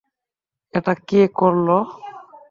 এটা কে করলো?